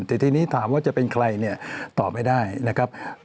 แต่ทีนี้ถามว่าจะเป็นใครเนี่ยตอบไม่ได้นะครับ